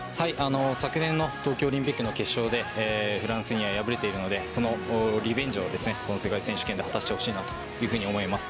昨年の東京オリンピックの決勝でフランスには破れているのでそのリベンジを世界選手権で果たしてほしいです。